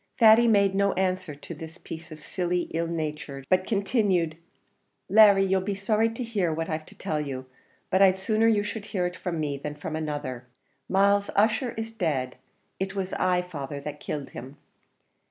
Thady made no answer to this piece of silly ill nature, but continued "Larry, you'll be sorry to hear what I've to tell you, but I'd sooner you should hear it from me than from another. Myles Ussher is dead; it was I, father, that killed him."